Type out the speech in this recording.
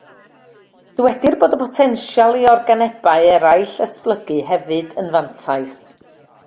Dywedir bod y potensial i organebau eraill esblygu hefyd yn fantais.